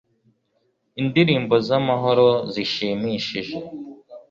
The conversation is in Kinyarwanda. Indirimbo zamahoro zishimishije